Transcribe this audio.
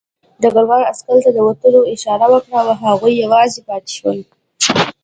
ډګروال عسکر ته د وتلو اشاره وکړه او هغوی یوازې پاتې شول